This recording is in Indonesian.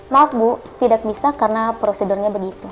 maaf bu tidak bisa karena prosedurnya begitu